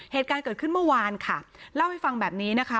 เหตุการณ์เกิดขึ้นเมื่อวานค่ะเล่าให้ฟังแบบนี้นะคะ